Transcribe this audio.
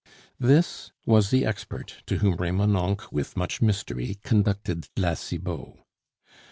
This was the expert to whom Remonencq with much mystery conducted La Cibot.